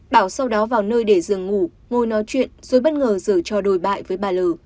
bảo sau đó vào nơi để dừng ngủ ngồi nói chuyện rồi bất ngờ dở cho đổi bại với bà l